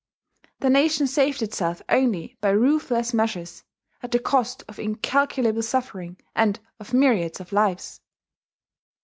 The nation saved itself only by ruthless measures, at the cost of incalculable suffering and of myriads of lives.